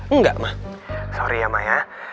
enggak mah sorry ya ma ya